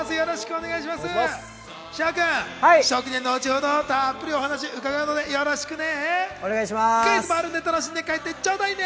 紫耀くんにはのちほど、たっぷりお話を伺うのでよろしくね。